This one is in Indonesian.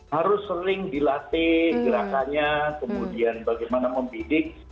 harus sering dilatih gerakannya kemudian bagaimana membidik